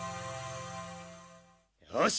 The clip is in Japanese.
よし！